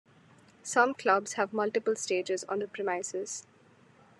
Some clubs have multiple stages on the premises.